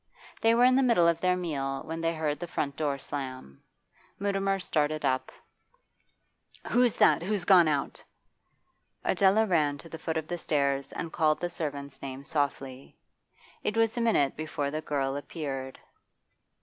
They were in the middle of their meal when they heard the front door slam. Mutimer started up. 'Who's that? Who's gone out?' Adela ran to the foot of the stairs and called the servant's name softly. It was a minute before the girl appeared.